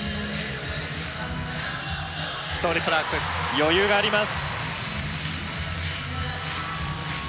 余裕があります。